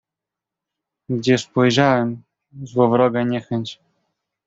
"Gdzie spojrzałem, złowroga niechęć."